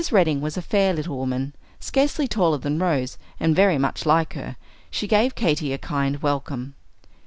Redding was a fair little woman, scarcely taller than Rose and very much like her. She gave Katy a kind welcome.